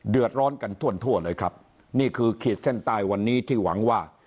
เดือดร้อนกันทั่วเลยครับนี่คือขีดเส้นใต้วันนี้ที่หวังว่า